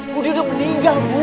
bu dia udah meninggal bu